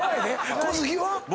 小杉は？